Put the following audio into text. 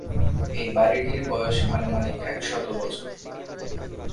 এই বাড়িটির বয়স আনুমানিক একশত বছর।